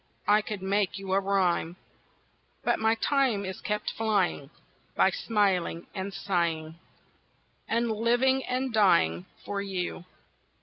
I could make you a rhyme. But my time is kept flying By smiling and sighing And living and dying for you.